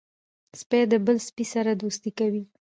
سپي د بل سپي سره دوستي کوي.